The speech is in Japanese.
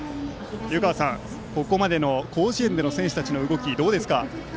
ゆかわさん、ここまでの甲子園の選手たちの動きはどうですか。